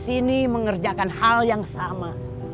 sini mengerjakan hal yang sama